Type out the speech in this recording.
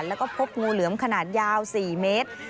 แล้วก็พบงูเหลือมขนาดยาว๔เมตร